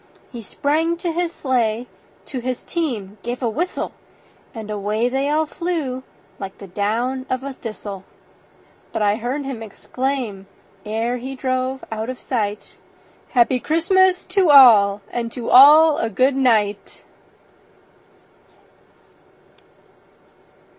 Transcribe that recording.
He sprang to his sleigh, to his team gave a whistle, And away they all flew like the down of a thistle; But I heard him exclaim, ere he drove out of sight, "Happy Christmas to all, and to all a good night!"